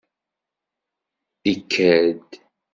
Ikad!